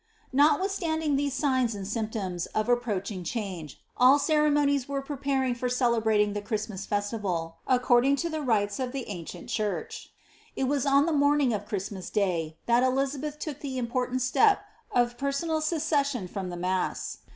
* Notwithstanding these signs and symptoms of approaching changii all ceremonies were preparing for celebrating the Christmas festival, ao» cording to the rites of the ancient church. It was on the morning of Christmas Day, that Eliznbeth took the important step of personal se cession from the mass.